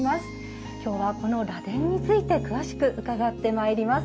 今日はこの螺鈿について詳しく伺ってまいります。